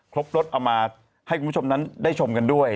ครบรสเอามาให้คุณผู้ชมนั้นได้ชมกันด้วย